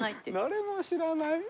誰も知らない？